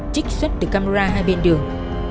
trích xuất từ camera hai bên đường